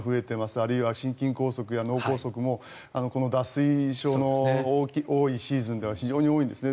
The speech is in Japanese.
あるいは心筋梗塞や脳梗塞もこの脱水症の多いシーズンでは非常に多いんですね。